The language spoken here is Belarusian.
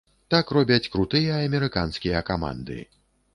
Так робяць крутыя амерыканскія каманды.